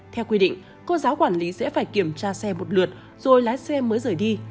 theo quy định cô giáo quản lý sẽ phải kiểm tra xe một lượt rồi lái xe mới rời đi